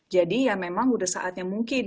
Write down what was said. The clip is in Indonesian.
jadi ya memang udah saatnya mungkin